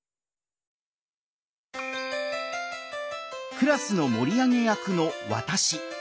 クラスの盛り上げ役の「わたし」。